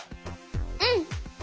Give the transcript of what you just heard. うん！